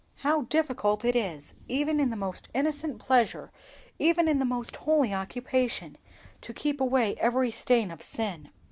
How difficult it is even in the most innocent pleasure, even in the most holy occupation, to keep away every stain of sin!